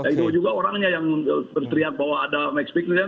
itu juga orangnya yang berteriak bahwa ada max pikiran